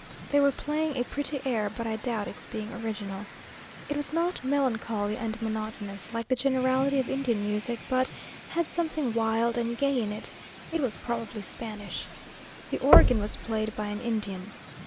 They were playing a pretty air, but I doubt its being original. It was not melancholy and monotonous, like the generality of Indian music, but had something wild and gay in it; it was probably Spanish. The organ was played by an Indian.